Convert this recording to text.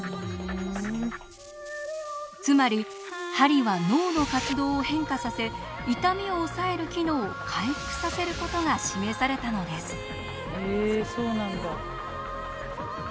つまり鍼は脳の活動を変化させ痛みを抑える機能を回復させることが示されたのです。